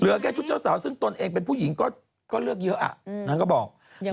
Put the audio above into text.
แค่ชุดเจ้าสาวซึ่งตนเองเป็นผู้หญิงก็เลือกเยอะนางก็บอก